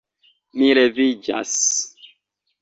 Mi leviĝas.